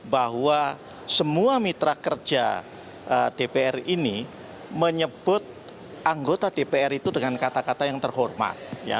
bahwa semua mitra kerja dpr ini menyebut anggota dpr itu dengan kata kata yang terhormat